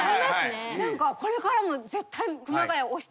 何かこれからも絶対。